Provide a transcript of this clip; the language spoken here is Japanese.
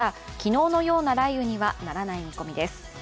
ただ、昨日のような雷雨にはならない見込みです。